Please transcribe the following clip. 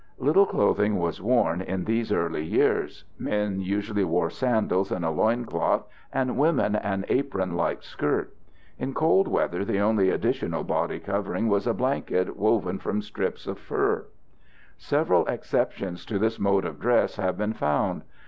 Little clothing was worn in these early years. Men usually wore sandals and a loin cloth and women an apron like skirt. In cold weather the only additional body covering was a blanket woven from strips of fur. Several exceptions to this mode of dress have been found.